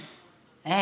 え？